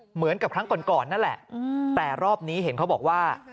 เหมือนกับครั้งก่อนก่อนนั่นแหละแต่รอบนี้เห็นเขาบอกว่า